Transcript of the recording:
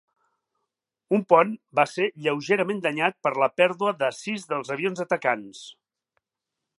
Un pont va ser lleugerament danyat per la pèrdua de sis dels avions atacants.